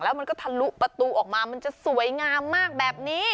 แล้วมันก็ทะลุประตูออกมามันจะสวยงามมากแบบนี้